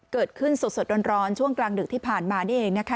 เกิดขึ้นสดร้อนช่วงกลางดึกที่ผ่านมานี่เองนะคะ